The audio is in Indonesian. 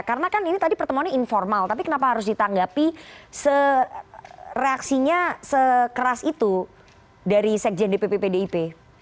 karena kan ini tadi pertemuan informal tapi kenapa harus ditanggapi reaksinya sekeras itu dari sekjen dpp pdip